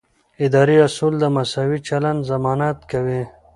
اداري اصول د مساوي چلند ضمانت کوي.